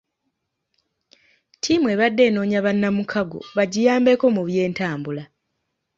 Ttiimu ebadde enoonya bannamukago bagiyambeko mu by'entambula.